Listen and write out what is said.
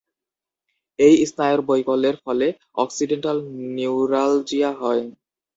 এই স্নায়ুর বৈকল্যের ফলে অক্সিডেন্টাল নিউরালজিয়া হয়।